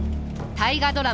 大河ドラマ